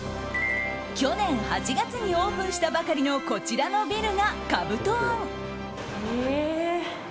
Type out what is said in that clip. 去年８月にオープンしたばかりのこちらのビルがＫＡＢＵＴＯＯＮＥ。